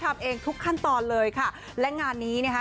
ทำเองทุกขั้นตอนเลยค่ะและงานนี้นะคะ